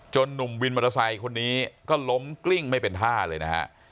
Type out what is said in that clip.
หนุ่มวินมอเตอร์ไซค์คนนี้ก็ล้มกลิ้งไม่เป็นท่าเลยนะฮะ